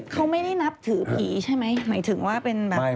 เขาไม่ได้นับถือผีใช่ไหมหมายถึงว่าเป็นแบบ